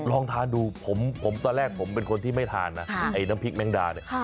ลองทานดูผมตอนแรกผมเป็นคนที่ไม่ทานนะไอ้น้ำพริกแมงดาเนี่ย